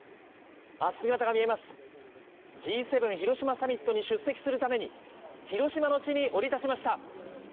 姿が見えます、Ｇ７広島サミットに出席するために広島の地に降り立ちました。